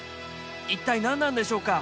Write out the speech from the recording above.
一体何なんでしょうか？